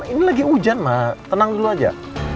ini lagi hujan mah tenang dulu aja